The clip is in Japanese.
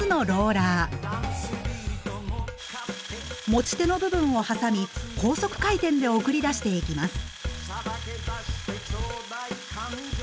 持ち手の部分を挟み高速回転で送り出していきます。